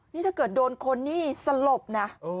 นี่ถ้าเกิดโดนคนนี่สลบนะ